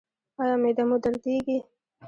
ایا معده مو دردیږي؟